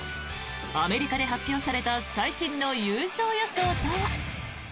アメリカで発表された最新の優勝予想とは。